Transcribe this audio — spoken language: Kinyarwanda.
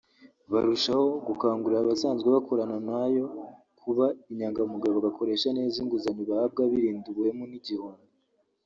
barushaho gukangurira abasanzwe bakorana na yo kuba inyangamugayo bagakoresha neza inguzanyo bahabwa birinda ubuhemu n’igihombo